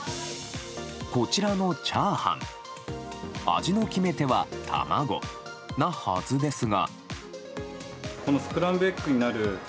こちらのチャーハン味の決め手は、卵なはずですが。